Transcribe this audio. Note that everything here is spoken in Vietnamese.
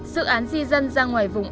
dự án di dân ra ngoài vùng